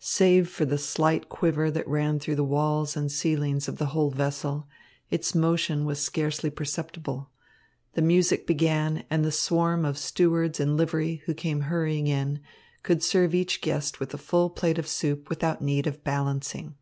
Save for the slight quiver that ran through the walls and ceilings of the whole vessel, its motion was scarcely perceptible. The music began, and the swarm of stewards in livery, who came hurrying in, could serve each guest with a full plate of soup without need of balancing.